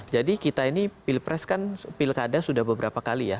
jadi kita ini pilpres kan pilkada sudah beberapa kali ya